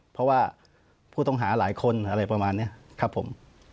เพราะว่าผู้ต้องหาหลายคนอะไรประมาณนี้ครับผม